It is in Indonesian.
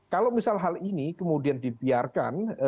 kalau misal hal ini kemudian dibiarkan